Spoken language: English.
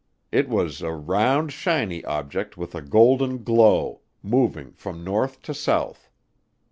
It was a "round, shiny object with a golden glow" moving from north to south.